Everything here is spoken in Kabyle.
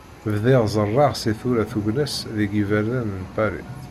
Bdiɣ ẓerreɣ si tura tugna-s deg yiberdan n Lpari.